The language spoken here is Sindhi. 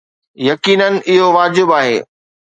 يقيناً اهو واجب آهي.